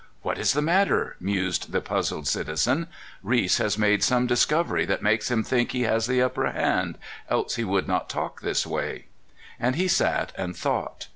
''What is the matter?" mused the puzzled citi zen. " Reese has made some discovery that makes him think he has the upper hand, else he would not talk this way." And he sat and thought.